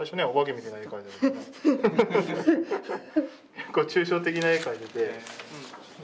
結構抽象的な絵描いててこういう。